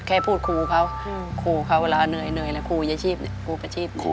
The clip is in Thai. แค่พูดครูเขาครูเขาเวลาเหนื่อยครูประชีพ